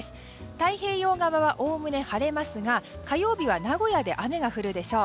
太平洋側はおおむね晴れますが火曜日は名古屋で雨が降るでしょう。